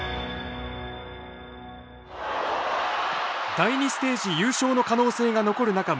第２ステージ優勝の可能性が残る中迎えた試合。